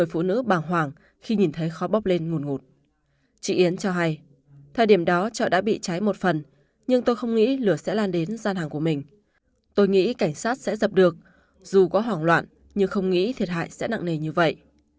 chị yến cho hay thời điểm đó chợ đã bị cháy một phần nhưng tôi không nghĩ lửa sẽ lan đến gian hàng của mình tôi nghĩ cảnh sát sẽ dập được dù có hoảng loạn nhưng không nghĩ thiệt hại sẽ nặng nề như vậy